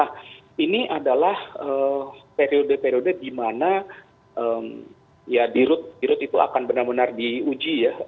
nah ini adalah periode periode di mana ya dirut itu akan benar benar diuji ya